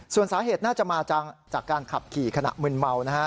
ส่วนสาเหตุน่าจะมาจากการขับขี่ขณะมึนเมานะฮะ